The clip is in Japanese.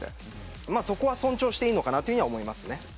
そこは尊重していいと思います。